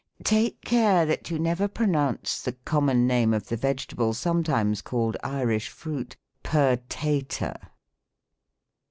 Take care that you never pronounce the common name of the vegetable sometimes called Irish fruit, " purtator."